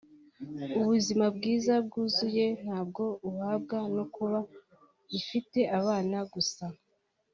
ubuzima bwiza bwuzuye ntabwo ubuhabwa no kuba ifite abana gusa